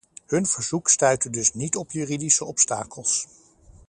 Hun verzoek stuitte dus niet op juridische obstakels.